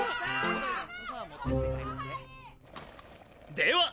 では！